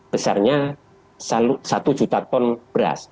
besarnya satu juta ton beras